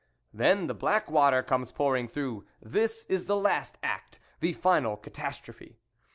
Then the black water comes pouring through; this is the last act, the final catastrophe.